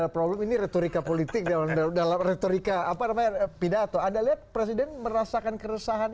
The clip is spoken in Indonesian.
school ini retorika politik dalam dalam retorika apa namanya pidato adek presiden merasakan keresahan